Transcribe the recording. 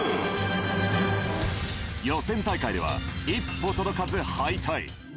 予選大会では一歩届かず敗退。